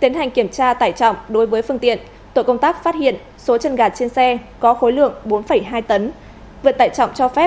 tiến hành kiểm tra tải trọng đối với phương tiện tội công tác phát hiện số chân gà trên xe có khối lượng bốn hai tấn vượt tải trọng cho phép bảy mươi một